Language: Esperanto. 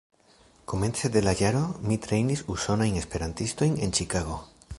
Komence de la jaro mi trejnis Usonajn Esperantistojn en Ĉikago.